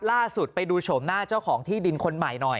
ล่าสุดไปดูโฉมหน้าเจ้าของที่ดินคนใหม่หน่อย